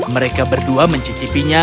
mereka berdua mencicipinya